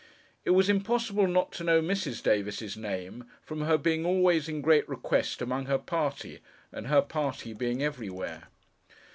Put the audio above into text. It was impossible not to know Mrs. Davis's name, from her being always in great request among her party, and her party being everywhere.